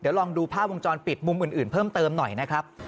เดี๋ยวลองดูภาพวงจรปิดมุมอื่นเพิ่มเติมหน่อยนะครับ